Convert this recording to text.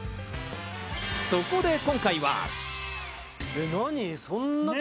そこで今回は。